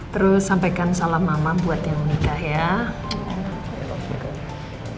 terus sampaikan salam mama buat yang menikah ya